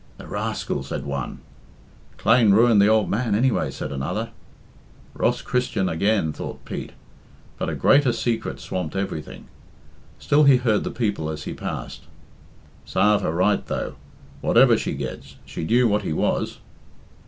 "The rascal," said one. "Clane ruined the ould man, anyway," said another. "Ross Christian again," thought Pete. But a greater secret swamped everything. Still he heard the people as he passed. "Sarve her right, though, whatever she gets she knew what he was."